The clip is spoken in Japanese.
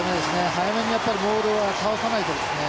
早めにやっぱりモールは倒さないとですね。